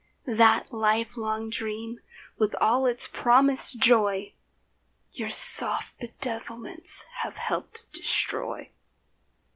That lifelong dream with all its promised joy Your soft bedevilments have helped destroy.